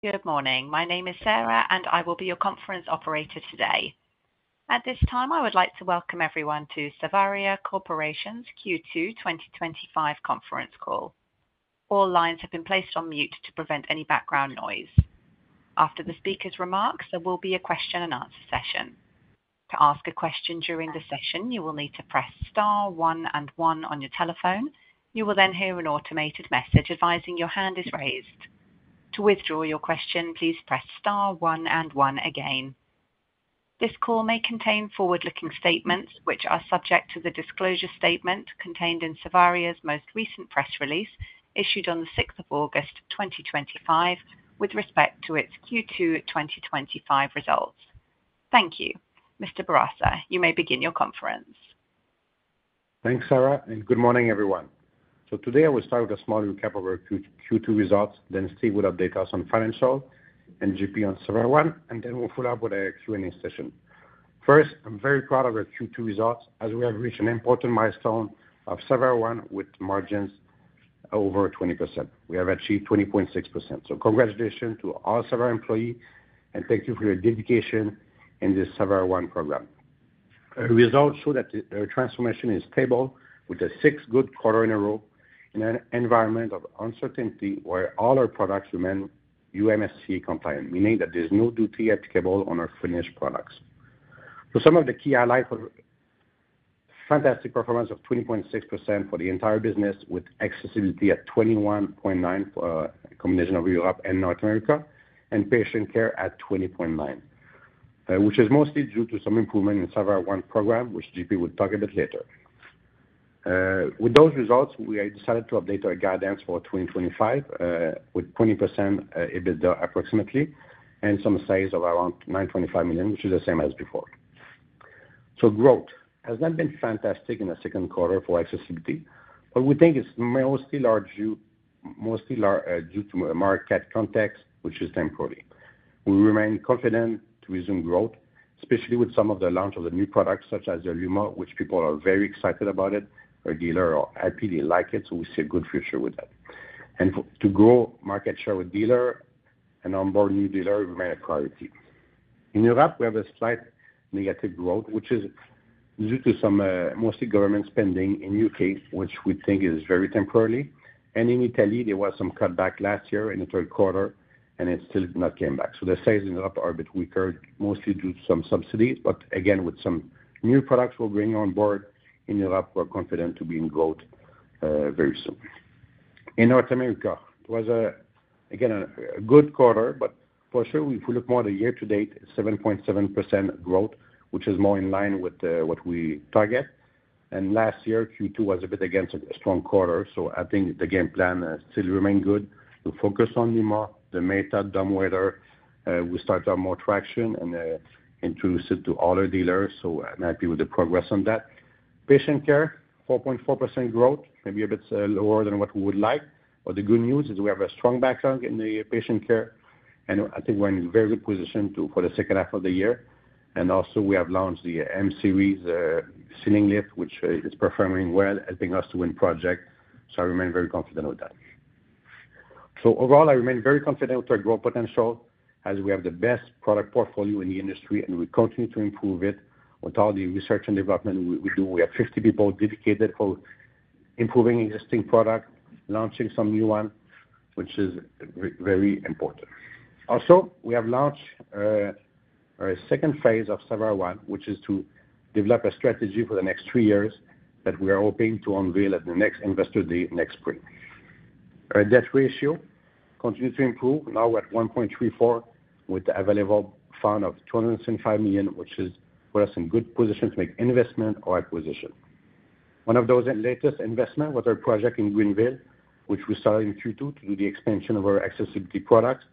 Good morning. My name is Sarah, and I will be your conference operator today. At this time, I would like to welcome everyone to Savaria Corporation's Q2 2025 Conference Call. All lines have been placed on mute to prevent any background noise. After the speakers' remarks, there will be a question-and-answer session. To ask a question during the session, you will need to press star one and one on your telephone. You will then hear an automated message advising your hand is raised. To withdraw your question, please press star one and one again. This call may contain forward-looking statements, which are subject to the disclosure statement contained in Savaria's most recent press release issued on August 6, 2025, with respect to its Q2 2025 results. Thank you. Mr. Bourassa, you may begin your conference. Thanks, Sarah, and good morning, everyone. Today, I will start with a small recap of our Q2 results. Then Steve will update us on financial and J.P. on Savaria One, and then we'll follow up with a Q&A session. First, I'm very proud of our Q2 results as we have reached an important milestone of Savaria One with margins over 20%. We have achieved 20.6%. Congratulations to all Savaria One employees, and thank you for your dedication in this Savaria One program. Our results show that our transformation is stable with six good quarters in a row in an environment of uncertainty where all our products remain USMCA compliant, meaning that there's no duty applicable on our finished products. Some of the key highlights are fantastic performance of 20.6% for the entire business with accessibility at 21.9% for a combination of Europe and North America, and patient care at 20.9%, which is mostly due to some improvement in the Savaria One program, which J.P. would talk a bit later. With those results, we decided to update our guidance for 2025 with 20% EBITDA approximately and some sales of around $9.5 million, which is the same as before. Growth has not been fantastic in the second quarter for accessibility, but we think it's mostly due to market context, which is temporary. We remain confident to resume growth, especially with some of the launch of the new products such as the Luma, which people are very excited about. Our dealers are happy, they like it, so we see a good future with that. To grow market share with dealers and onboard new dealers remains a priority. In Europe, we have a slight negative growth, which is due to some mostly government spending in the U.K., which we think is very temporary. In Italy, there was some cutback last year in the third quarter, and it still has not come back. The sales in Europe are a bit weaker, mostly due to some subsidy, but again, with some new products we're bringing on board in Europe, we're confident to be in growth very soon. In North America, it was again a good quarter, but for sure, if we look more at the year-to-date, 7.7% growth, which is more in line with what we target. Last year, Q2 was a bit against a strong quarter, so I think the game plan still remains good. We focus on Luma, the matot dumbwaiter. We start to have more traction and introduce it to all our dealers, so I'm happy with the progress on that. Patient care, 4.4% growth, maybe a bit lower than what we would like, but the good news is we have a strong backlog in patient care, and I think we're in a very good position for the second half of the year. We have launched the M-Series ceiling lift, which is performing well, helping us to win projects. I remain very confident with that. Overall, I remain very confident with our growth potential as we have the best product portfolio in the industry, and we continue to improve it with all the research and development we do. We have 50 people dedicated for improving existing products, launching some new ones, which is very important. We have launched our second phase of the Savaria One, which is to develop a strategy for the next three years that we are hoping to unveil at the next Investor Day next spring. Our debt ratio continues to improve, now at 1.34x with the available fund of $205 million, which puts us in a good position to make an investment or acquisition. One of those latest investments was our project in Greenville, which we started in Q2 to do the expansion of our accessibility products.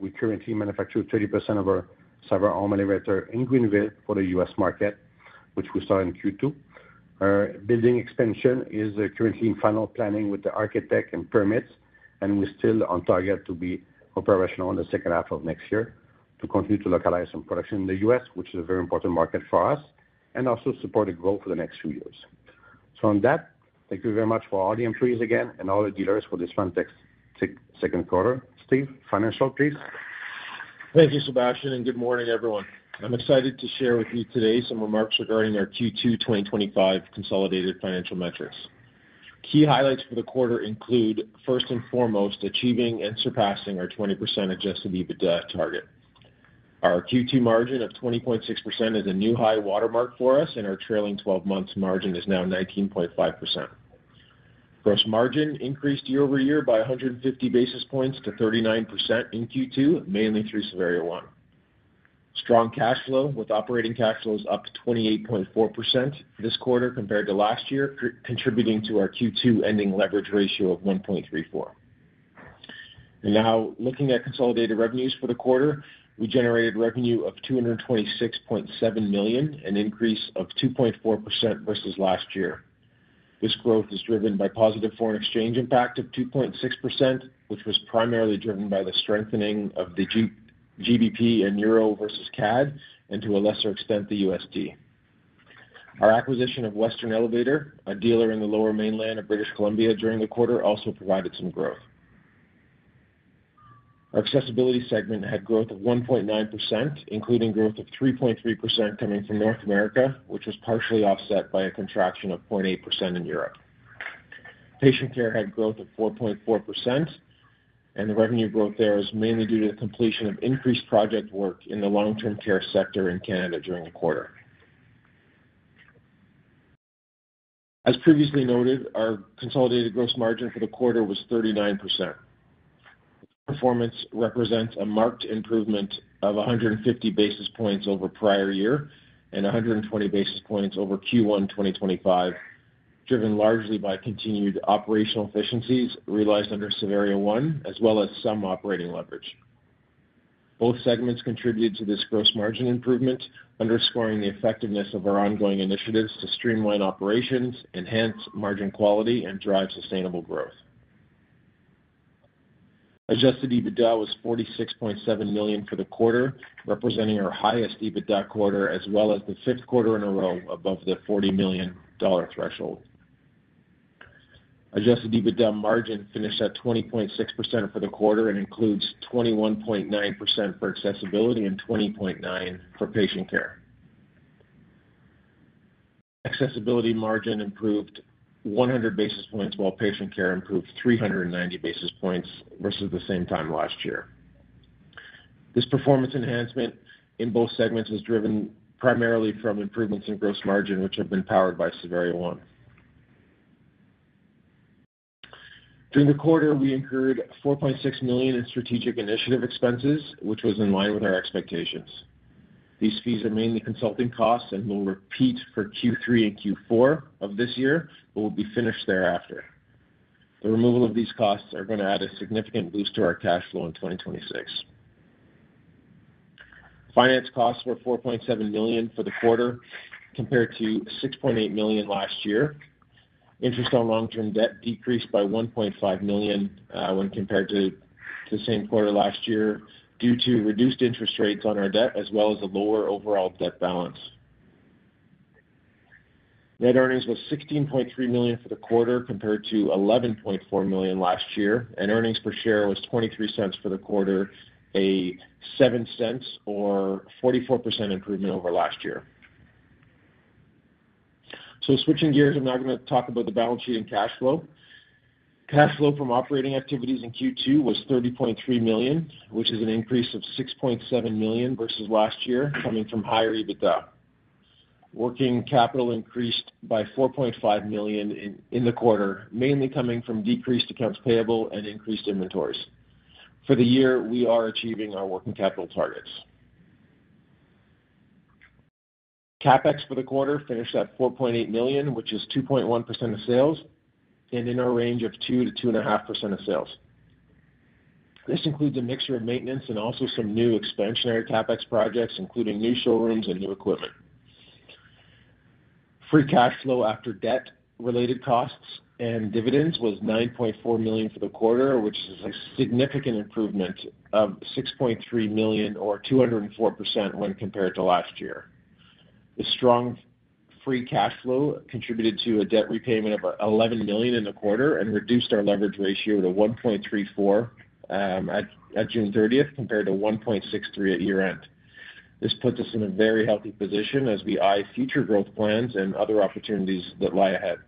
We currently manufacture 30% of our Savaria One arm elevator in Greenville for the U.S. market, which we started in Q2. Our building expansion is currently in final planning with the architect and permits, and we're still on target to be operational in the second half of next year to continue to localize production in the U.S., which is a very important market for us, and also supporting growth for the next few years. Thank you very much for all the employees again and all the dealers for this fantastic second quarter. Steve, financial, please. Thank you, Sébastien, and good morning, everyone. I'm excited to share with you today some remarks regarding our Q2 2025 consolidated financial metrics. Key highlights for the quarter include, first and foremost, achieving and surpassing our 20% adjusted EBITDA target. Our Q2 margin of 20.6% is a new high watermark for us, and our trailing 12 months margin is now 19.5%. Gross margin increased year-over-year by 150 basis points to 39% in Q2, mainly through Savaria One. Strong cash flow with operating cash flows up 28.4% this quarter compared to last year, contributing to our Q2 ending leverage ratio of 1.34x. Looking at consolidated revenues for the quarter, we generated revenue of $226.7 million, an increase of 2.4% versus last year. This growth is driven by positive foreign exchange impact of 2.6%, which was primarily driven by the strengthening of the GBP and euro versus CAD, and to a lesser extent, the USD. Our acquisition of Western Elevator, a dealer in the lower mainland of British Columbia during the quarter, also provided some growth. Our accessibility segment had growth of 1.9%, including growth of 3.3% coming from North America, which was partially offset by a contraction of 0.8% in Europe. Patient care had growth of 4.4%, and the revenue growth there was mainly due to the completion of increased project work in the long-term care sector in Canada during the quarter. As previously noted, our consolidated gross margin for the quarter was 39%. Performance represents a marked improvement of 150 basis points over prior year and 120 basis points over Q1 2025, driven largely by continued operational efficiencies realized under Savaria One as well as some operating leverage. Both segments contributed to this gross margin improvement, underscoring the effectiveness of our ongoing initiatives to streamline operations, enhance margin quality, and drive sustainable growth. Adjusted EBITDA was $46.7 million for the quarter, representing our highest EBITDA quarter as well as the fifth quarter in a row above the $40 million threshold. Adjusted EBITDA margin finished at 20.6% for the quarter and includes 21.9% for accessibility and 20.9% for patient care. Accessibility margin improved 100 basis points, while patient care improved 390 basis points versus the same time last year. This performance enhancement in both segments is driven primarily from improvements in gross margin, which have been powered by Savaria One. During the quarter, we incurred $4.6 million in strategic initiative expenses, which was in line with our expectations. These fees are mainly consulting costs and will repeat for Q3 and Q4 of this year, but will be finished thereafter. The removal of these costs is going to add a significant boost to our cash flow in 2026. Finance costs were $4.7 million for the quarter compared to $6.8 million last year. Interest on long-term debt decreased by $1.5 million when compared to the same quarter last year due to reduced interest rates on our debt as well as a lower overall debt balance. Net earnings were $16.3 million for the quarter compared to $11.4 million last year, and earnings per share were $0.23 for the quarter, a $0.07 or 44% improvement over last year. Switching gears, I'm now going to talk about the balance sheet and cash flow. Cash flow from operating activities in Q2 was $30.3 million, which is an increase of $6.7 million versus last year, coming from higher EBITDA. Working capital increased by $4.5 million in the quarter, mainly coming from decreased accounts payable and increased inventories. For the year, we are achieving our working capital targets. CapEx for the quarter finished at $4.8 million, which is 2.1% of sales, and in a range of 2%-2.5% of sales. This includes a mixture of maintenance and also some new expansionary CapEx projects, including new showrooms and new equipment. Free cash flow after debt-related costs and dividends was $9.4 million for the quarter, which is a significant improvement of $6.3 million or 204% when compared to last year. The strong free cash flow contributed to a debt repayment of $11 million in the quarter and reduced our leverage ratio to 1.34x at June 30 compared to 1.63x at year-end. This puts us in a very healthy position as we eye future growth plans and other opportunities that lie ahead.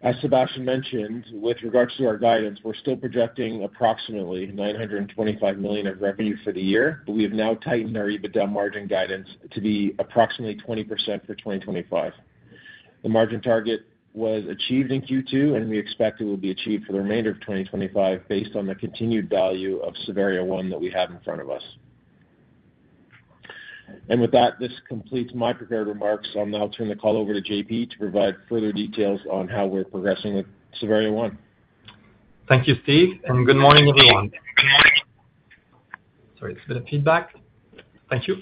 As Sébastien mentioned, with regards to our guidance, we're still projecting approximately $925 million of revenue for the year, but we've now tightened our EBITDA margin guidance to be approximately 20% for 2025. The margin target was achieved in Q2, and we expect it will be achieved for the remainder of 2025 based on the continued value of Savaria One that we have in front of us. With that, this completes my prepared remarks. I'll now turn the call over to J.P. to provide further details on how we're progressing at Savaria One. Thank you, Steve, and good morning, everyone. Sorry, it's a bit of feedback. Thank you.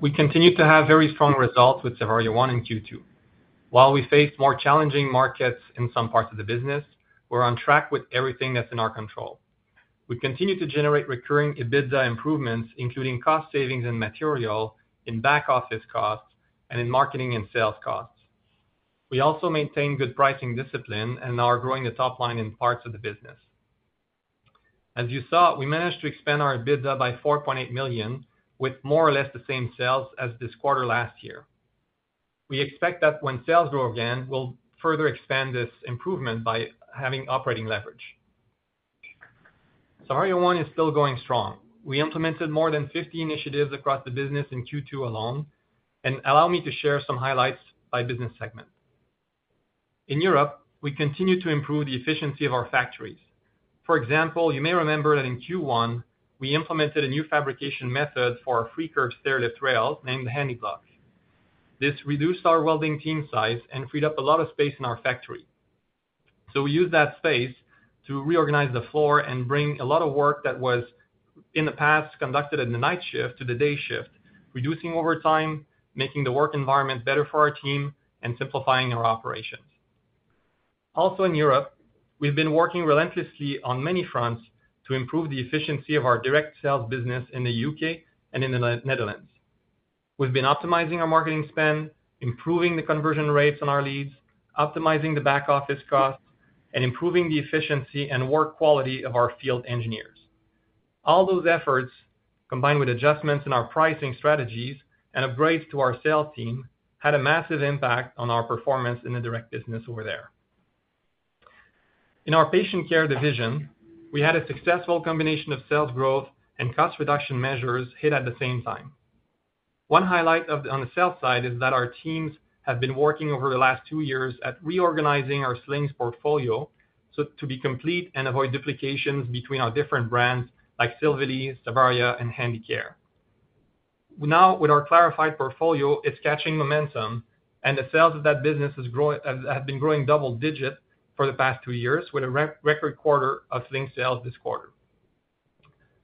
We continue to have very strong results Savaria One transformation program in Q2. While we faced more challenging markets in some parts of the business, we're on track with everything that's in our control. We continue to generate recurring EBITDA improvements, including cost savings in material, in back office costs, and in marketing and sales costs. We also maintain good pricing discipline and are growing the top line in parts of the business. As you saw, we managed to expand our EBITDA by $4.8 million with more or less the same sales as this quarter last year. We expect that when sales grow again, we'll further expand this improvement by having operating Savaria One transformation program is still going strong. We implemented more than 50 initiatives across the business in Q2 alone, and allow me to share some highlights by business segment. In Europe, we continue to improve the efficiency of our factories. For example, you may remember that in Q1, we implemented a new fabrication method for our free curve stairlift rails named Handicare. This reduced our welding team size and freed up a lot of space in our factory. We used that space to reorganize the floor and bring a lot of work that was in the past conducted in the night shift to the day shift, reducing overtime, making the work environment better for our team, and simplifying our operations. Also in Europe, we've been working relentlessly on many fronts to improve the efficiency of our direct sales business in the U.K. and in the Netherlands. We've been optimizing our marketing spend, improving the conversion rates on our leads, optimizing the back office costs, and improving the efficiency and work quality of our field engineers. All those efforts, combined with adjustments in our pricing strategies and upgrades to our sales team, had a massive impact on our performance in the direct business over there. In our patient care division, we had a successful combination of sales growth and cost reduction measures hit at the same time. One highlight on the sales side is that our teams have been working over the last two years at reorganizing our slings portfolio so to be complete and avoid duplications between our different brands like Silvilly, Savaria, and Handicare. Now, with our clarified portfolio, it's catching momentum, and the sales of that business have been growing double digits for the past two years, with a record quarter of sling sales this quarter.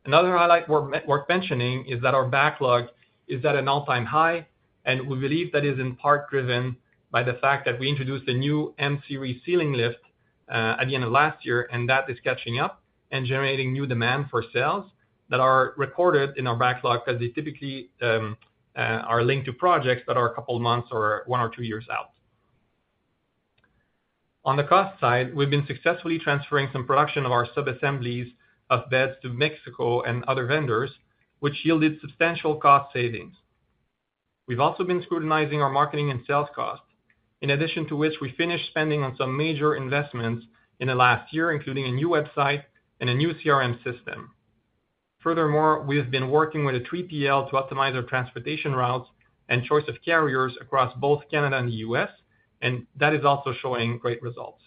Another highlight worth mentioning is that our backlog is at an all-time high, and we believe that is in part driven by the fact that we introduced a new M-Series ceiling lift at the end of last year, and that is catching up and generating new demand for sales that are recorded in our backlog because they typically are linked to projects that are a couple of months or one or two years out. On the cost side, we've been successfully transferring some production of our subassemblies of beds to Mexico and other vendors, which yielded substantial cost savings. We've also been scrutinizing our marketing and sales costs, in addition to which we finished spending on some major investments in the last year, including a new website and a new CRM system. Furthermore, we've been working with a 3PL to optimize our transportation routes and choice of carriers across both Canada and the U.S., and that is also showing great results.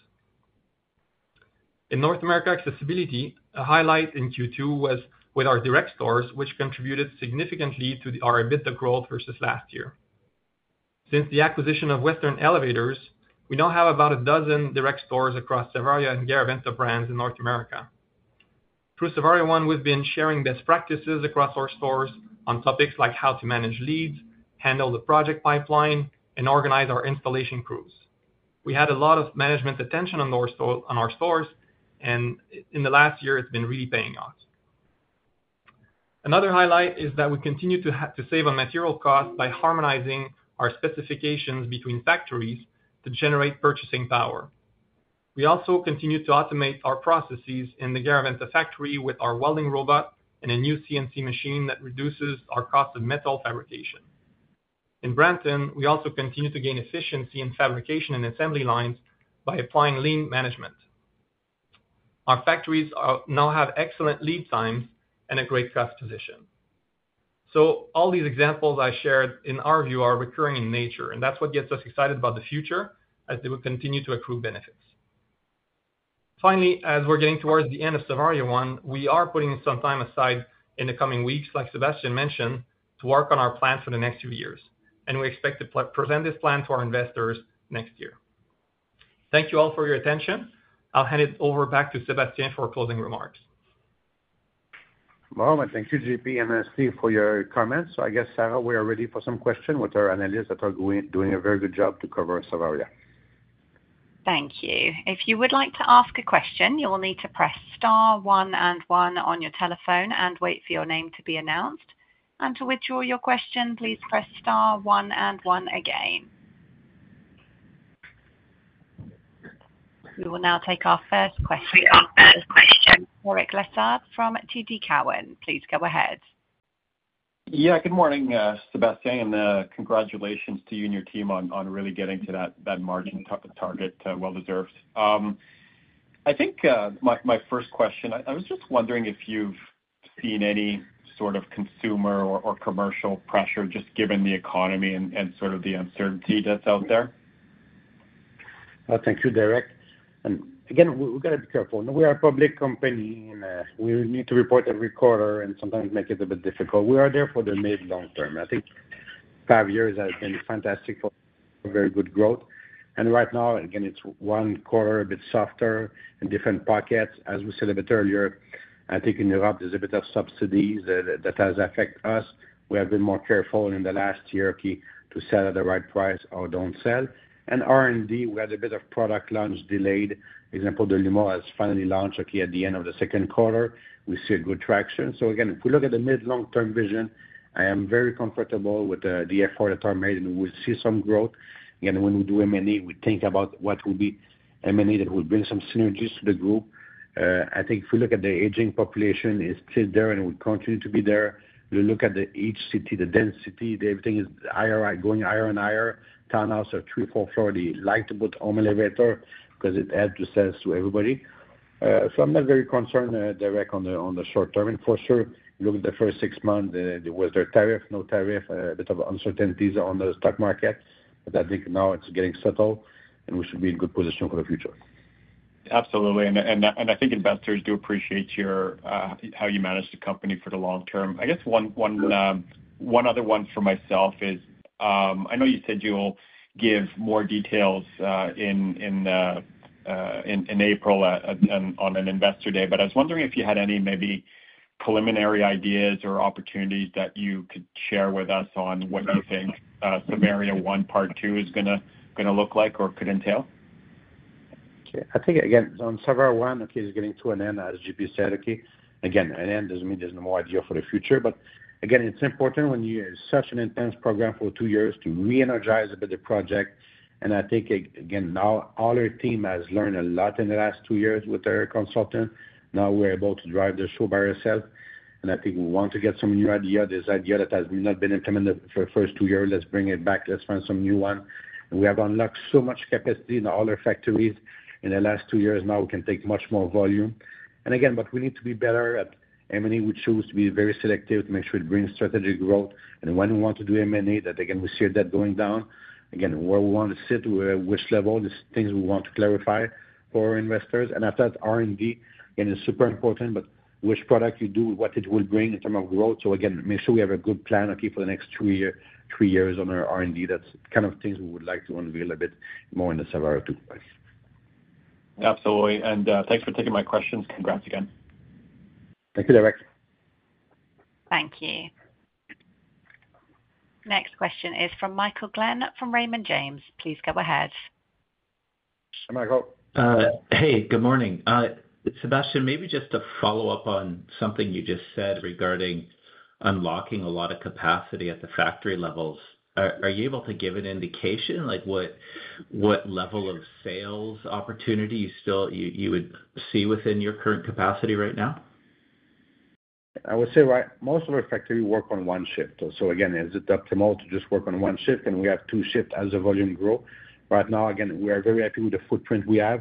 In North America, accessibility, a highlight in Q2 was with our direct stores, which contributed significantly to our EBITDA growth versus last year. Since the acquisition of Western Elevator, we now have about a dozen direct stores across Savaria and Garaventa brands in North America. Through Savaria One, we've been sharing best practices across our stores on topics like how to manage leads, handle the project pipeline, and organize our installation crews. We had a lot of management attention on our stores, and in the last year, it's been really paying off. Another highlight is that we continue to save on material costs by harmonizing our specifications between factories to generate purchasing power. We also continue to automate our processes in the Garaventa factory with our welding robot and a new CNC machine that reduces our cost of metal fabrication. In Brampton, we also continue to gain efficiency in fabrication and assembly lines by applying lean management. Our factories now have excellent lead times and a great cost position. All these examples I shared in our view are recurring in nature, and that's what gets us excited about the future as they will continue to accrue benefits. Finally, as we're getting towards the end of Savaria One, we are putting some time aside in the coming weeks, like Sébastien mentioned, to work on our plan for the next few years, and we expect to present this plan to our investors next year. Thank you all for your attention. I'll hand it over back to Sébastien for closing remarks. Thank you, J.P. and Steve, for your comments. I guess, Sarah, we are ready for some questions with our analysts that are doing a very good job to cover Savaria. Thank you. If you would like to ask a question, you will need to press star one and one on your telephone and wait for your name to be announced. To withdraw your question, please press star one and one again. We will now take our first question. All right, Lessard from TD Cowen. Please go ahead. Good morning, Sébastien, and congratulations to you and your team on really getting to that margin target. Well deserved. I think my first question, I was just wondering if you've seen any sort of consumer or commercial pressure just given the economy and the uncertainty that's out there. Thank you, Derek. We have to be careful. We are a public company, and we need to report every quarter, and sometimes it makes it a bit difficult. We are there for the mid-long term. I think five years is fantastic for very good growth. Right now, it's one quarter a bit softer in different pockets. As we said a bit earlier, I think in Europe, there's a bit of subsidies that affect us. We have been more careful in the last year to sell at the right price or don't sell. R&D, we had a bit of product launch delayed. For example, the Luma has finally launched at the end of the second quarter. We see good traction. If we look at the mid-long-term vision, I am very comfortable with the effort that is made, and we will see some growth. When we do M&A, we think about what would be M&A that would bring some synergies to the group. I think if we look at the aging population, it's still there and will continue to be there. You look at the age, the city, the density, everything is going higher and higher. Townhouses are three, four floors. They like to put home elevators because it adds to sales to everybody. I'm not very concerned, Derek, on the short term. For sure, look at the first six months, there was no tariff, a bit of uncertainties on the stock market, but I think now it's getting settled and we should be in a good position for the future. Absolutely. I think investors do appreciate how you manage the company for the long term. I guess one other one for myself is I know you said you'll give more details in April on an Investor Day, but I was wondering if you had any maybe preliminary ideas or opportunities that you could share with us on what you think Savaria One part two is going to look like or could entail. I think, again, on Savaria One, it's getting to an end, as J.P. said. An end doesn't mean there's no more idea for the future. It's important when you have such an intense program for two years to re-energize a bit of the project. I think all our team has learned a lot in the last two years with our consultant. Now we're able to drive the show by ourselves. I think we want to get some new ideas. This idea that has not been implemented for the first two years, let's bring it back. Let's find some new one. We have unlocked so much capacity in all our factories in the last two years. Now we can take much more volume. We need to be better at M&A. We choose to be very selective to make sure it brings strategic growth. When we want to do M&A, we see our debt going down. Where we want to sit, which level, the things we want to clarify for our investors. I thought R&D, again, is super important, but which product you do, what it will bring in terms of growth. Make sure we have a good plan for the next two years, three years on our R&D. That's the kind of things we would like to unveil a bit more in the Savaria One too. Absolutely. Thanks for taking my questions. Congrats again. Thank you, Derek. Thank you. Next question is from Michael Glen from Raymond James Financial. Please go ahead. Hey, Michael. Hey, good morning. Sébastien, maybe just a follow-up on something you just said regarding unlocking a lot of capacity at the factory levels. Are you able to give an indication like what level of sales opportunity you would see within your current capacity right now? I would say right now most of our factories work on one shift. It's optimal to just work on one shift, and we have two shifts as the volume grows. Right now, we are very happy with the footprint we have.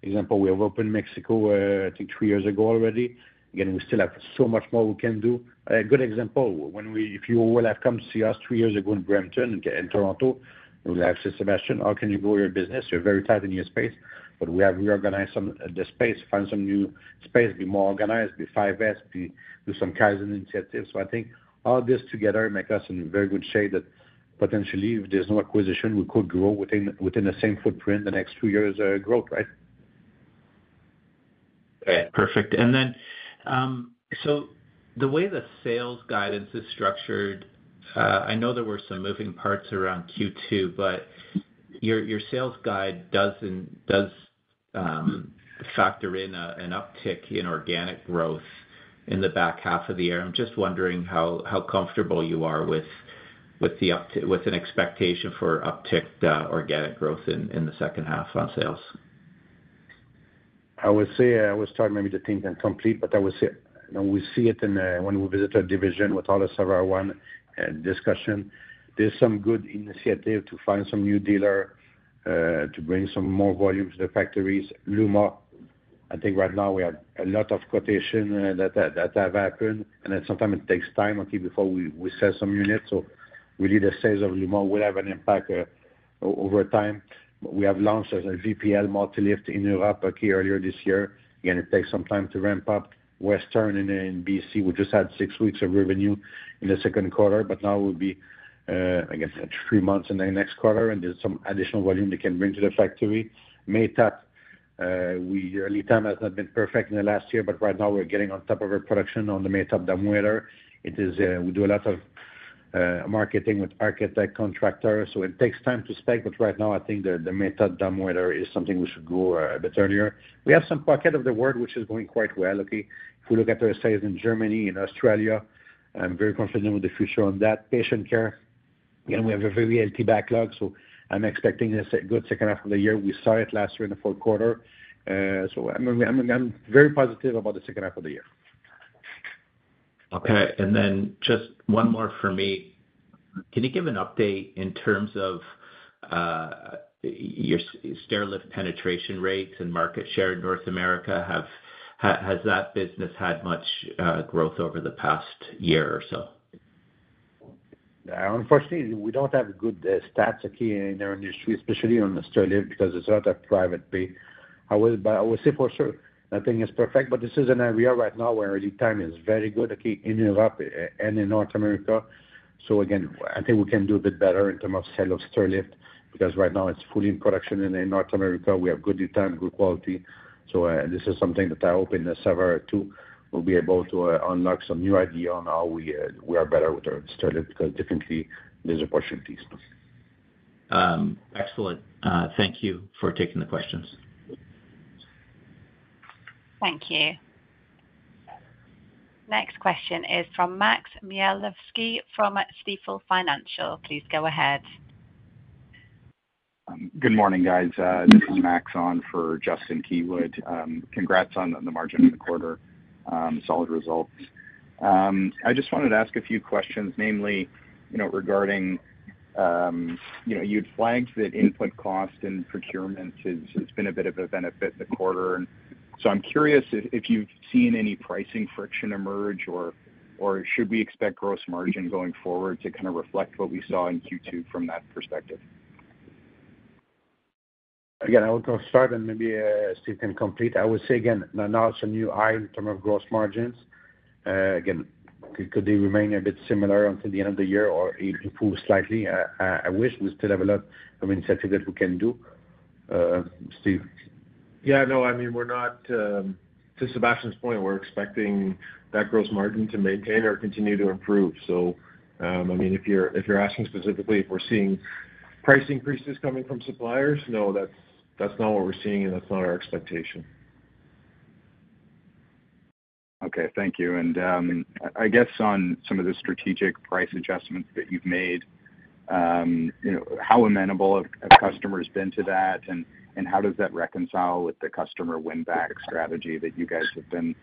For example, we have opened Mexico, I think, three years ago already. We still have so much more we can do. A good example, if you all have come to see us three years ago in Brampton, in Toronto, you would have said, "Sébastien, how can you grow your business? You're very tight in your space." We have reorganized the space, found some new space, been more organized, be 5S, do some Kaizen initiatives. I think all this together makes us in very good shape that potentially, if there's no acquisition, we could grow within the same footprint the next two years of growth, right? Perfect. The way that sales guidance is structured, I know there were some moving parts around Q2, but your sales guide does factor in an uptick in organic growth in the back half of the year. I'm just wondering how comfortable you are with the expectation for uptick organic growth in the second half on sales. I would say I was talking, maybe the team can complete, but I would say when we see it in, when we visit our division with all the Savaria One discussion, there's some good initiative to find some new dealers to bring some more volume to the factories. Luma, I think right now we have a lot of quotations that have happened, and then sometimes it takes time before we sell some units. Really, the sales of Luma will have an impact over time. We have launched a VPL multi-lift in Europe earlier this year. Again, it takes some time to ramp up. Western in B.C., we just had six weeks of revenue in the second quarter, but now we'll be, I guess, at three months in the next quarter, and there's some additional volume they can bring to the factory. Matot, the lead time has not been perfect in the last year, but right now we're getting on top of our production on the matot dumbwaiter. We do a lot of marketing with architects, contractors, so it takes time to spec, but right now I think the matot dumbwaiter is something we should go a bit earlier. We have some pockets of the world which are going quite well. If we look at our sales in Germany, in Australia, I'm very confident with the future on that. Patient care, again, we have a very healthy backlog, so I'm expecting a good second half of the year. We saw it last year in the fourth quarter. I'm very positive about the second half of the year. Okay. Just one more for me. Can you give an update in terms of your stairlift penetration rates and market share in North America? Has that business had much growth over the past year or so? Unfortunately, we don't have good stats in our industry, especially on the straight stairlift because it's not a private pay. I would say for sure, nothing is perfect, but this is an area right now where lead time is very good in Europe and in North America. I think we can do a bit better in terms of sale of straight stairlift because right now it's fully in production in North America. We have good lead time, good quality. This is something that I hope in Savaria One too, we'll be able to unlock some new ideas on how we are better with our straight stairlift because definitely there's opportunities. Excellent. Thank you for taking the questions. Thank you. Next question is from Max Czmielewski from Stifel Financial. Please go ahead. Good morning, guys. This is Max on for Justin Keywood. Congrats on the margin in the quarter. Solid results. I just wanted to ask a few questions, namely, regarding, you'd flagged that input cost and procurement has been a bit of a benefit the quarter. I'm curious if you've seen any pricing friction emerge or should we expect gross margin going forward to kind of reflect what we saw in Q2 from that perspective? Again, I will go start and maybe Steve can complete. I would say, again, now it's a new eye in terms of gross margins. Could they remain a bit similar until the end of the year or improve slightly? I wish we still have a lot of incentives that we can do. Steve. Yeah, no, I mean, we're not, to Sébastien's point, we're expecting that gross margin to maintain or continue to improve. If you're asking specifically if we're seeing price increases coming from suppliers, no, that's not what we're seeing and that's not our expectation. Thank you. On some of the strategic price adjustments that you've made, how amenable have customers been to that, and how does that reconcile with the customer win-back strategy that you guys have been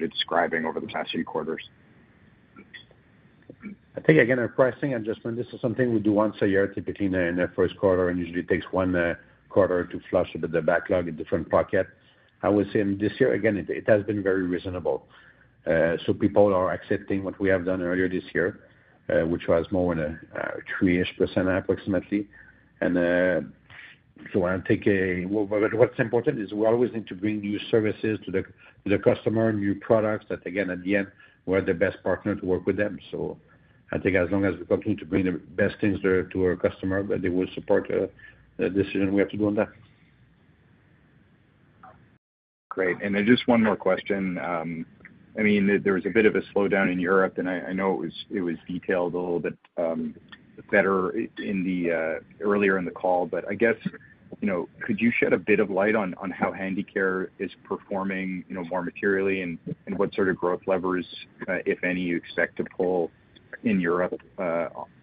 describing over the past few quarters? I think, again, our pricing adjustment, this is something we do once a year, typically in the first quarter, and usually takes one quarter to flush a bit of the backlog in different pockets. I would say this year, again, it has been very reasonable. People are accepting what we have done earlier this year, which was more than a 3% approximately. I think what's important is we always need to bring new services to the customer, new products that, again, at the end, we're the best partner to work with them. I think as long as we continue to bring the best things to our customer, they will support the decision we have to do on that. Great. Just one more question. There was a bit of a slowdown in Europe, and I know it was detailed a little bit better earlier in the call, but I guess, could you shed a bit of light on how Handicare is performing more materially and what sort of growth levers, if any, you expect to pull in Europe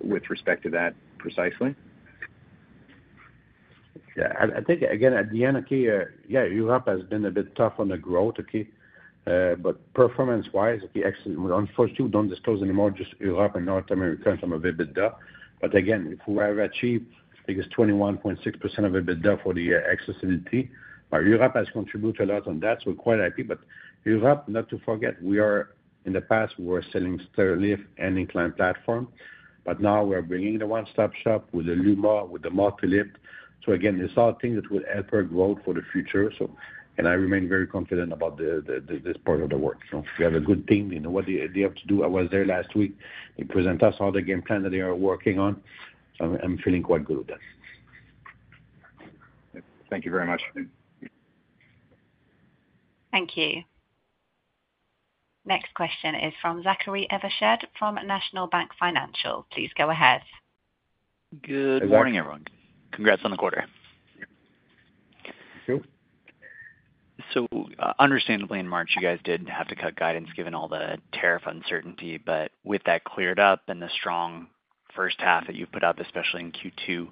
with respect to that precisely? Yeah, I think, again, at the end, yeah, Europe has been a bit tough on the growth. Performance-wise, actually, unfortunately, we don't disclose anymore just Europe and North America in terms of EBITDA. Again, if we have achieved, I think it's 21.6% of EBITDA for the accessibility. Europe has contributed a lot on that, so we're quite happy. Europe, not to forget, in the past, we were selling straight stairlift and incline platform, but now we're bringing the one-stop shop with the Luma, with the VPL multi-lift. It's all things that will help our growth for the future. I remain very confident about this part of the work. If you have a good team, they know what they have to do. I was there last week. They presented us all the game plan that they are working on. I'm feeling quite good with that. Thank you very much. Thank you. Next question is from Zachary Evershed from National Bank Financial. Please go ahead. Good morning, everyone. Congrats on the quarter. Thank you. Understandably, in March, you guys did have to cut guidance given all the tariff uncertainty, but with that cleared up and the strong first half that you put up, especially in Q2,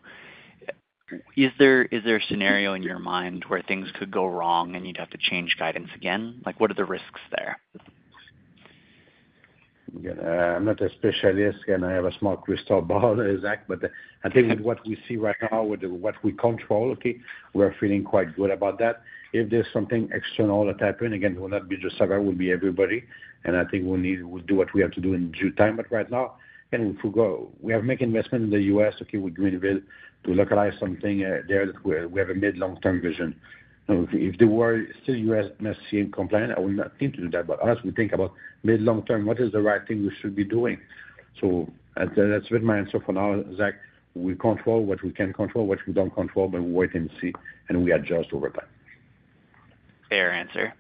is there a scenario in your mind where things could go wrong and you'd have to change guidance again? What are the risks there? I'm not a specialist. Again, I have a small crystal ball, Zach, but I think what we see right now with what we control, we're feeling quite good about that. If there's something external that happens, it will not be just Savaria, it will be everybody. I think we'll do what we have to do in due time. Right now, if we go, we have to make investments in the U.S. with Greenville to localize something there that we have a mid-long-term vision. If the world is still UMSC compliant, I will not need to do that. As we think about mid-long term, what is the right thing we should be doing? That's a bit my answer for now, Zach. We control what we can control, what we don't control, we wait and see, and we adjust over time. Fair answer.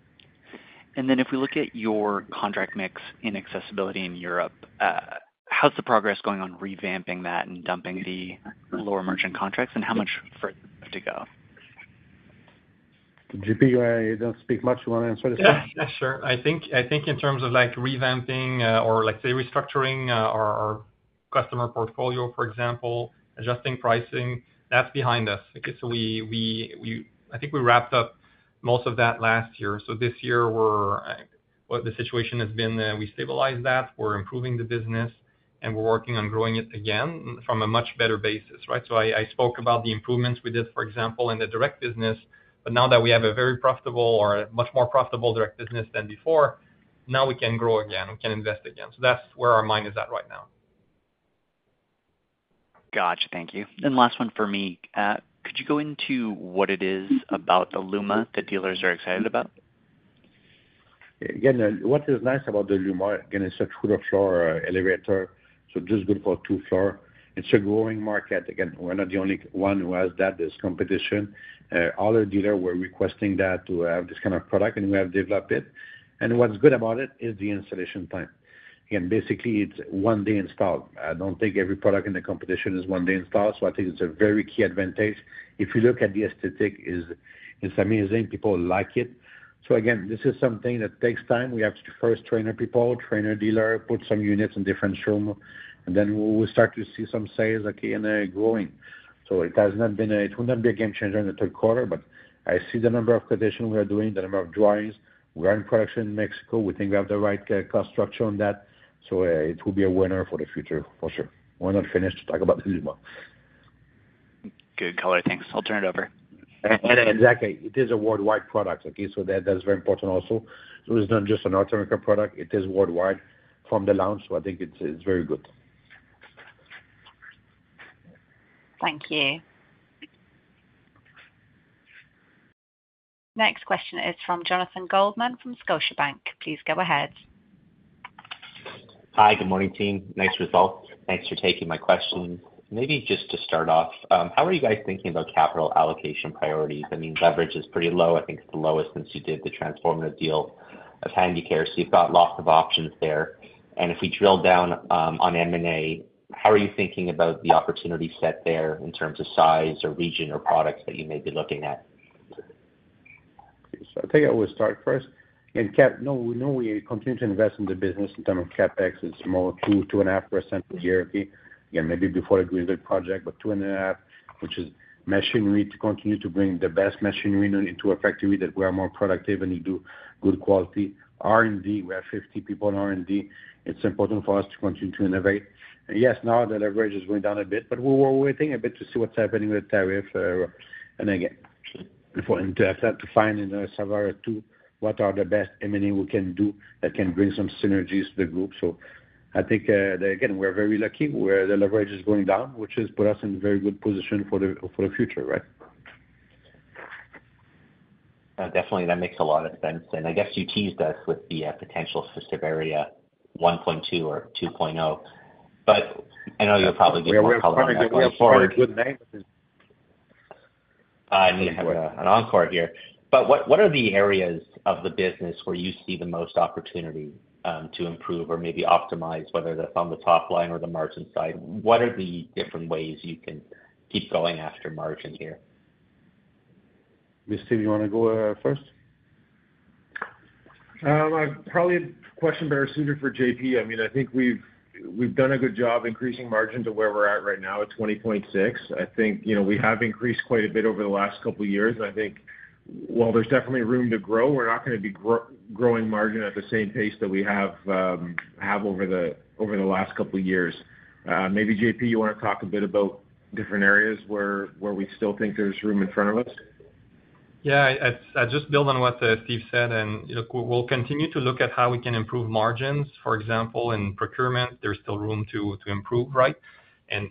If we look at your contract mix in accessibility in Europe, how's the progress going on revamping that and dumping the lower margin contracts, and how much for it to go? J.P., you don't speak much. You want to answer this one? Yeah, sure. I think in terms of revamping or, let's say, restructuring our customer portfolio, for example, adjusting pricing, that's behind us. I think we wrapped up most of that last year. This year, what the situation has been, we stabilized that, we're improving the business, and we're working on growing it again from a much better basis, right? I spoke about the improvements we did, for example, in the direct business, but now that we have a very profitable or a much more profitable direct business than before, now we can grow again. We can invest again. That's where our mind is at right now. Gotcha. Thank you. Last one for me. Could you go into what it is about the Luma that dealers are excited about? Again, what is nice about the Luma, it's a two-floor elevator, so it's just good for two floors. It's a growing market. We're not the only one who has that. There's competition. All our dealers were requesting that to have this kind of product, and we have developed it. What's good about it is the installation time. Basically, it's one-day install. I don't think every product in the competition is one-day install, so I think it's a very key advantage. If you look at the aesthetic, it's amazing. People like it. This is something that takes time. We have to first train our people, train our dealers, put some units in different showrooms, and then we'll start to see some sales in a growing. It has not been, it will not be a game changer in the third quarter, but I see the number of quotations we are doing, the number of drawings. We are in production in Mexico. We think we have the right cost structure on that. It will be a winner for the future, for sure. We're not finished to talk about Luma. Good caller, thanks. I'll turn it over. It is a worldwide product. That's very important also. It's not just a North American product. It is worldwide from the launch, so I think it's very good. Thank you. Next question is from Jonathan Goldman from Scotiabank. Please go ahead. Hi, good morning, team. Nice to talk. Thanks for taking my question. Maybe just to start off, how are you guys thinking about capital allocation priorities? I mean, leverage is pretty low. I think it's the lowest since you did the transformative deal of Handicare. You have lots of options there. If we drill down on M&A, how are you thinking about the opportunity set there in terms of size or region or products that you may be looking at? I think I will start first. No, we know we continue to invest in the business in terms of CapEx. It's more 2.5% per year, maybe before the Greenville project, but 2.5%, which is machinery to continue to bring the best machinery into a factory that we are more productive and you do good quality. R&D, we have 50 people in R&D. It's important for us to continue to innovate. Yes, now the leverage is going down a bit, but we're waiting a bit to see what's happening with the tariff. Again, to find in Savaria One too, what are the best M&A we can do that can bring some synergies to the group. I think, again, we're very lucky where the leverage is going down, which has put us in a very good position for the future, right? Definitely. That makes a lot of sense. I guess you teased us with the potentials for Savaria One 1.2 or 2.0, but I know you're probably getting more color on that. We have a good name. I need to have an encore here. What are the areas of the business where you see the most opportunity to improve or maybe optimize, whether that's on the top line or the margin side? What are the different ways you can keep going after margin here? Steve, you want to go first? probably say that's a question better suited for J.P. I mean, I think we've done a good job increasing margin to where we're at right now at 20.6%. I think we have increased quite a bit over the last couple of years. I think, while there's definitely room to grow, we're not going to be growing margin at the same pace that we have over the last couple of years. Maybe, J.P., you want to talk a bit about different areas where we still think there's room in front of us? Yeah, I just build on what Steve said. You know, we'll continue to look at how we can improve margins. For example, in procurement, there's still room to improve, right?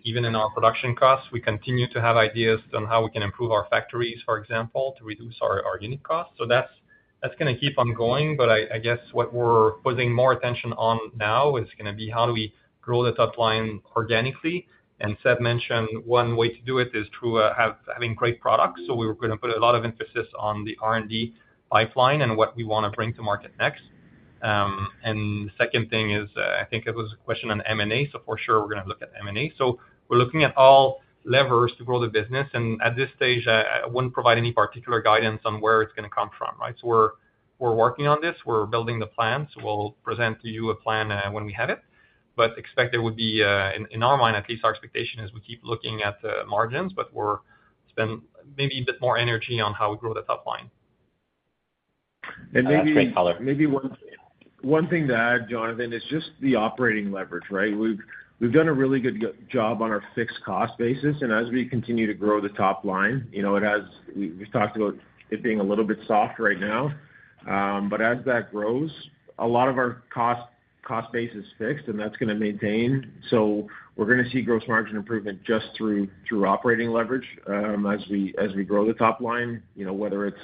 Even in our production costs, we continue to have ideas on how we can improve our factories, for example, to reduce our unit costs. That's going to keep on going. I guess what we're putting more attention on now is going to be how do we grow the top line organically. Séb mentioned one way to do it is through having great products. We're going to put a lot of emphasis on the R&D pipeline and what we want to bring to market next. The second thing is, I think it was a question on M&A. For sure, we're going to look at M&A. We're looking at all levers to grow the business. At this stage, I wouldn't provide any particular guidance on where it's going to come from, right? We're working on this. We're building the plan. We'll present to you a plan when we have it. Expect there would be, in our mind, at least our expectation is we keep looking at margins, but we're spending maybe a bit more energy on how we grow the top line. Maybe one thing to add, Jonathan, is just the operating leverage, right? We've done a really good job on our fixed cost basis. As we continue to grow the top line, you know, it has, we've talked about it being a little bit soft right now. As that grows, a lot of our cost base is fixed, and that's going to maintain. We're going to see gross margin improvement just through operating leverage as we grow the top line, you know, whether it's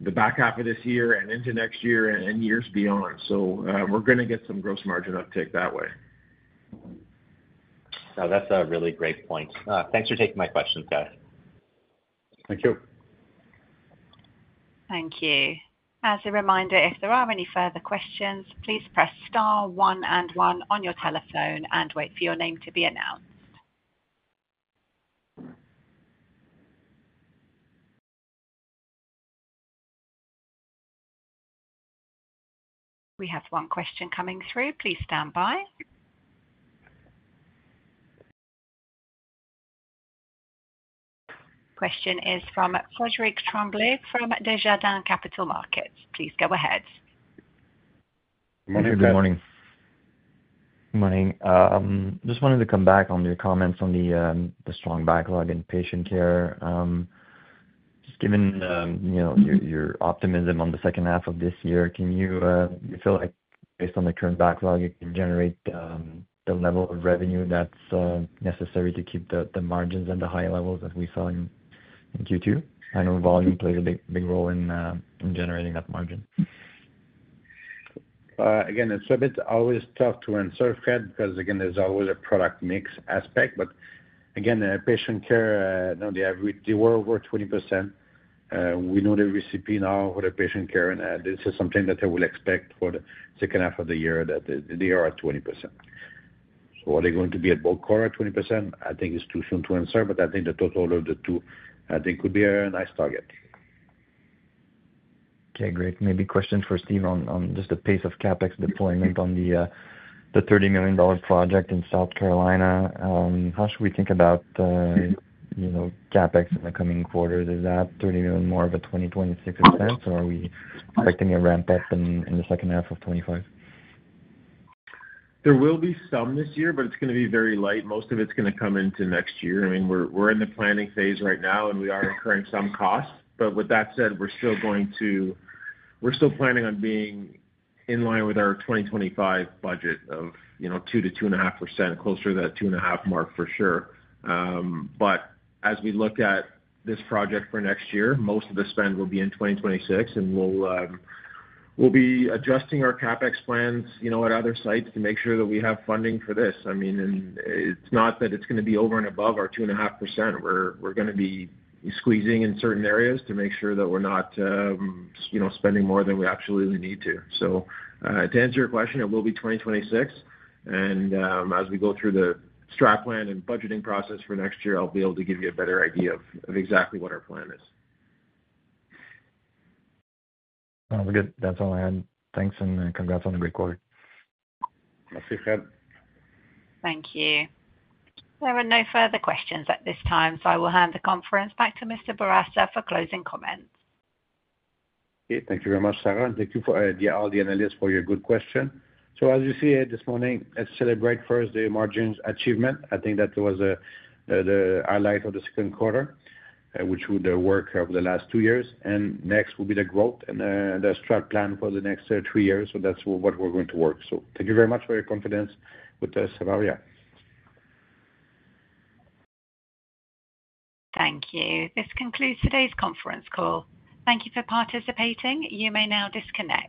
the back half of this year and into next year and years beyond. We're going to get some gross margin uptake that way. That's a really great point. Thanks for taking my questions, guys. Thank you. Thank you. As a reminder, if there are any further questions, please press star one and one on your telephone and wait for your name to be announced. We have one question coming through. Please stand by. Question is from Frederic Tremblay from Desjardins Capital Markets. Please go ahead. Good morning. I just wanted to come back on your comments on the strong backlog in patient care. Just given your optimism on the second half of this year, can you feel like, based on the current backlog, it can generate the level of revenue that's necessary to keep the margins at the high levels that we saw in Q2? I know volume plays a big role in generating that margin. Again, it's a bit always tough to answer that because there's always a product mix aspect. Patient care, now they were over 20%. We know the recipe now for the patient care, and this is something that I would expect for the second half of the year that they are at 20%. Are they going to be at ball court at 20%? I think it's too soon to answer, but I think the total of the two could be a nice target. Okay, great. Maybe question for Steve on just the pace of CapEx deployment on the $30 million project in South Carolina. How should we think about, you know, CapEx in the coming quarters? Is that $30 million more of a 2026 expense, or are we expecting a ramp-up in the second half of 2025? There will be some this year, but it's going to be very light. Most of it's going to come into next year. We're in the planning phase right now, and we are incurring some costs. With that said, we're still going to, we're still planning on being in line with our 2025 budget of, you know, 2%-2.5%, closer to that 2.5% mark for sure. As we look at this project for next year, most of the spend will be in 2026, and we'll be adjusting our CapEx plans at other sites to make sure that we have funding for this. It's not that it's going to be over and above our 2.5%. We're going to be squeezing in certain areas to make sure that we're not spending more than we absolutely need to. To answer your question, it will be 2026. As we go through the STRAT plan and budgeting process for next year, I'll be able to give you a better idea of exactly what our plan is. Sounds good. That's all I had. Thanks, and congrats on a great quarter. Merci, Fred. Thank you. There are no further questions at this time, so I will hand the conference back to Mr. Bourassa for closing comments. Okay. Thank you very much, Sarah. Thank you for all the analysts for your good questions. As you see it this morning, let's celebrate first the margins achievement. I think that was the highlight of the second quarter, which was the work of the last two years. Next will be the growth and the STRAT plan for the next three years. That's what we're going to work. Thank you very much for your confidence with us, Savaria. Thank you. This concludes today's conference call. Thank you for participating. You may now disconnect.